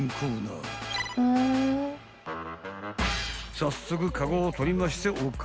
［早速カゴを取りましてお買い物］